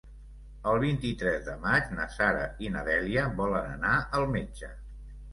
El vint-i-tres de maig na Sara i na Dèlia volen anar al metge.